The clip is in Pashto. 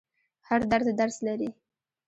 هر درد درس لري.